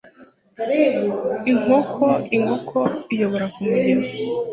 Inkokoinkoko iyobora kumugezi